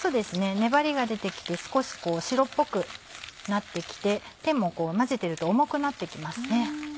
粘りが出てきて少し白っぽくなってきて手も混ぜてると重くなってきますね。